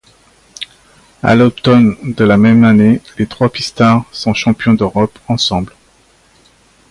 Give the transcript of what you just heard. À l'automne de la même année, les trois pistards sont champions d'Europe ensemble.